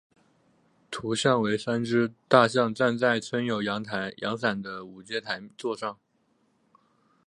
图像为三只大象站在撑有阳伞的五阶台座上。